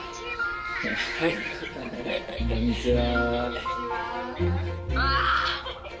こんにちは。